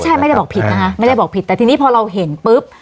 ใช่ไม่ได้บอกผิดนะคะแต่ทีนี้พอเราเห็นปุ๊บ